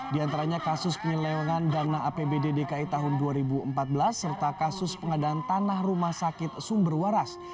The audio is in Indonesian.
di antaranya kasus penyelewangan dana apbd dki tahun dua ribu empat belas serta kasus pengadaan tanah rumah sakit sumber waras